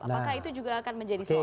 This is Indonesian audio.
apakah itu juga akan menjadi soal nanti